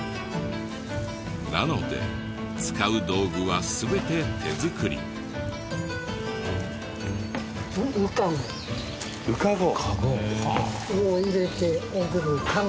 なので使う道具は全て手作り。ウカゴ。